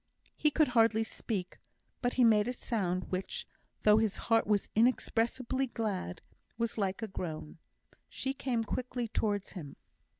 He could hardly speak, but he made a sound which, though his heart was inexpressibly glad, was like a groan. She came quickly towards him.